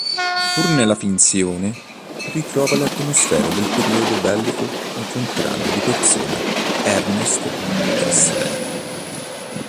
Pur nella finzione, ritrova le atmosfere del periodo bellico incontrando di persona Ernst Kessler.